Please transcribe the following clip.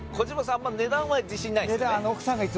あんま値段は自信ないんですよね